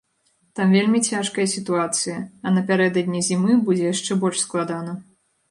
Там вельмі цяжкая сітуацыя, а напярэдадні зімы будзе яшчэ больш складана.